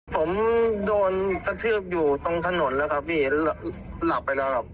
ผมโดนกระทืบอยู่ตรงถนนแล้วครับพี่หลับไปแล้วครับ